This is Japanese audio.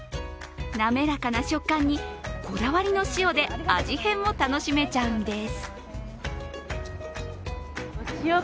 滑らかな食感にこだわりの塩で味変も楽しめちゃうんです。